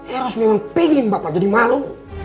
eros memang pengen bapak jadi malu